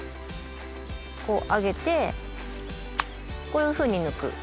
こう上げてこういうふうに抜く。